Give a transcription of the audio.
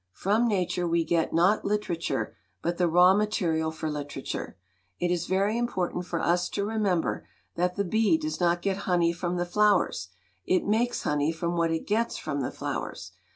From nature we get not literature, but the raw material for literature. It is very important for us to remember that the bee does not get honey from the flowers; it makes honey from what it gets from the flowers.